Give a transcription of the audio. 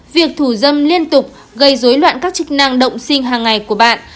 việc thù dâm liên tục gây dối loạn các trích năng động sinh hàng ngày của bạn